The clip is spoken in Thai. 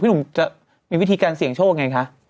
หนุ่มจะมีวิธีการเสี่ยงโชคไงคะ